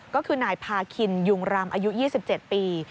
ก็คือนายพาคินยุงรำอายุ๒๗ปี